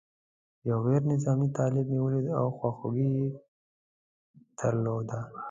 یو غیر نظامي طالب مې ولید او خواخوږي یې درلوده.